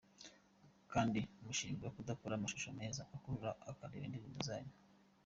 Kandi mushinjwa kudakora amashusho meza akurura abareba indirimbo zanyu.